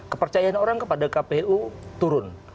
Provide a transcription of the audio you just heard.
kepercayaan orang kepada kpu turun